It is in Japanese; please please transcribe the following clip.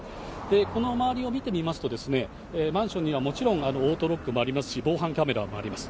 この周りを見てみますと、マンションにはもちろんオートロックもありますし、防犯カメラもあります。